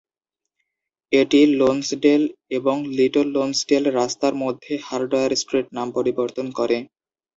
এটি লোনসডেল এবং Little Lonsdale রাস্তার মধ্যে হার্ডওয়্যার স্ট্রিট নাম পরিবর্তন করে।